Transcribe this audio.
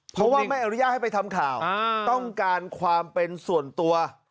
เพราะว่าไม่อนุญาตให้ไปทำข่าวต้องการความเป็นส่วนตัว